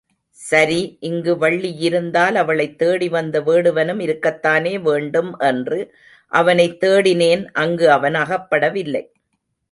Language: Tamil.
சரி, இங்கு வள்ளியிருந்தால் அவளைத் தேடிவந்த வேடுவனும் இருக்கத்தானே வேண்டும் என்று அவனைத் தேடினேன் அங்கு அவன் அகப்படவில்லை.